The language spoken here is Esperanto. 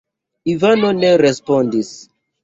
Ivano ne respondis.